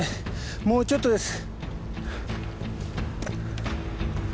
もうちょっとです。